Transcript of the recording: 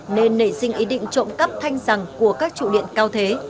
nên nảy sinh ý định trộm cắp thanh rằng của các trụ điện cao thế